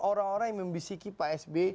orang orang yang membisiki psb